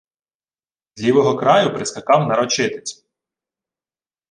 З лівого краю прискакав нарочитець: